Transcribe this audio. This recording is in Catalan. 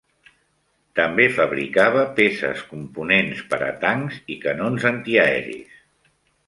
També fabricava peces components per a tancs i canons antiaeris.